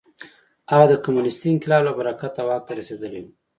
هغه د کمونېستي انقلاب له برکته واک ته رسېدلی و.